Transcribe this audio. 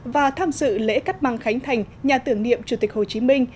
và tham dự lễ cắt băng khánh thành nhà tưởng niệm chủ tịch hồ chí minh